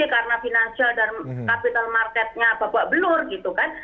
karena financial dan capital marketnya babak belur gitu kan